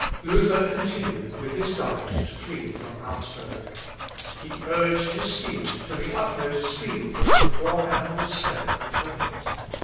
Luther continued with his guide to flee from Augsburg. He urged his steed to the utmost speed that the poor animal's strength would permit.